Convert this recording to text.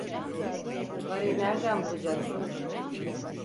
Parayı nereden bulacaksın?